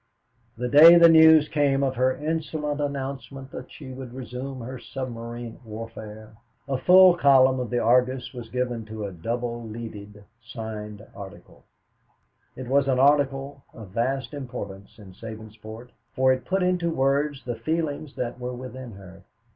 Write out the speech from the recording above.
The day after the news came of her insolent announcement that she would resume her submarine warfare, a full column of the Argus was given to a double leaded, signed article. It was an article of vast importance in Sabinsport, for it put into words the feelings that were within her.